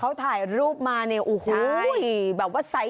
เค้าถ่ายรูปมาแบบว่าใส